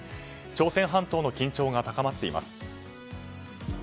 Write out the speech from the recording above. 朝鮮半島の緊張が高まっています。